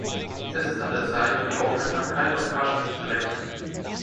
Es ist an der Zeit, die Aufmerksamkeit auf Kaschmir zu lenken.